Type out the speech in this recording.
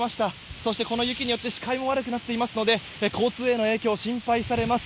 そして、この雪によって視界も悪くなっていますので交通への影響、心配されます。